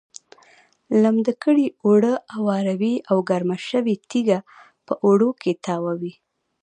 لمده کړې اوړه اواروي او ګرمه شوې تیږه په اوړو کې تاووي.